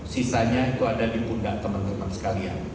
sisanya itu ada di pundak teman teman sekalian